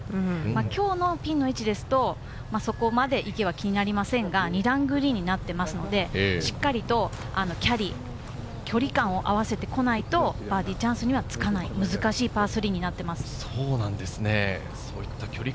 今日のピンの位置ですと、そこまで池は気になりませんが、２段グリーンになってますので、しっかりとキャリー、距離感を合わせてこないとバーディーチャンスにはつかない、難しいパー３になっています。